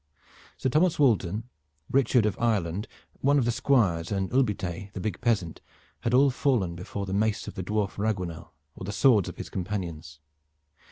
Sir Thomas Walton, Richard of Ireland one of the Squires, and Hulbitee the big peasant had all fallen before the mace of the dwarf Raguenel or the swords of his companions.